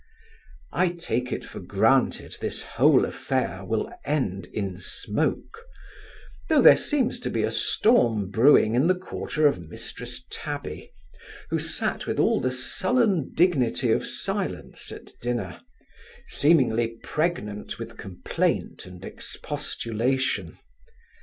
I take it for granted, this whole affair will end in smoke; though there seems to be a storm brewing in the quarter of Mrs Tabby, who sat with all the sullen dignity of silence at dinner, seemingly pregnant with complaint and expostulation.